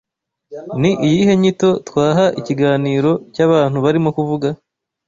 Ni iyihe nyito twaha ikiganiro cy’abantu barimo kuvuga